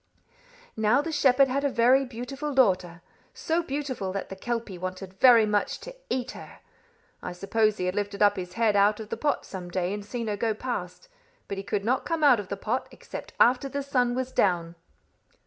"Now, the shepherd had a very beautiful daughter so beautiful that the kelpie wanted very much to eat her. I suppose he had lifted up his head out of the pot some day and seen her go past, but he could not come out of the pot except after the sun was down."